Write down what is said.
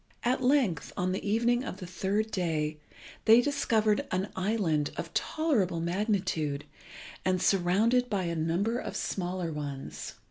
At length, on the evening of the third day, they discovered an island of tolerable magnitude, and surrounded by a number of smaller ones.